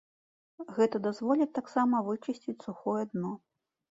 Гэта дазволіць таксама вычысціць сухое дно.